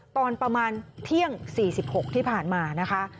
ตอนประมาณเที่ยง๔๖ที่ผ่านมานะคะ